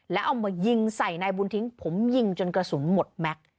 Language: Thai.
แล้วเอามายิงใส่นายบุญทิ้งผมยิงจนกระสุนหมดแม็กซ์